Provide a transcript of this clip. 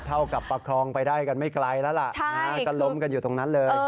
เท่ากับประคองไปได้กันไม่ไกลแล้วล่ะก็ล้มกันอยู่ตรงนั้นเลย